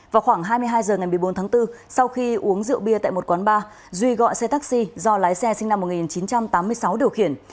vào khoảng hai mươi hai h ngày một mươi bốn tháng bốn sau khi uống rượu bia tại một quán bar duy gọi xe taxi do lái xe sinh năm một nghìn chín trăm tám mươi sáu điều khiển